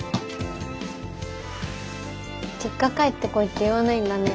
実家帰ってこいって言わないんだね。